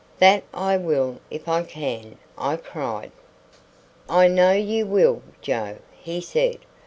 "That I will if I can," I cried. "I know you will, Joe," he said.